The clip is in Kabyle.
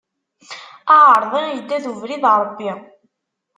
Aɛeṛḍi idda d ubrid n Ṛebbi.